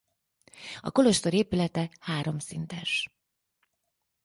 A kolostor épülete háromszintes.